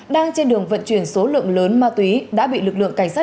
đang trên đường vận chuyển số lượng lớn ma túy đã bị lực lượng cảnh sát